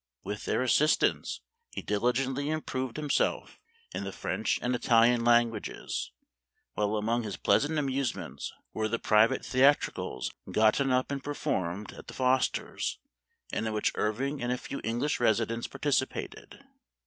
With their assistance he diligently improved himself in the French and Italian 124 Memoir of Washington Irving. languages, while among his pleasant amuse ments were the private theatricals gotten up and performed at the Fosters', and in which Irving and a few English residents participated.